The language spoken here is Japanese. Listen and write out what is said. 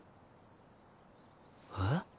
えっ？